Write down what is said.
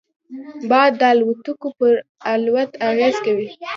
باد د الوتکو پر الوت اغېز کوي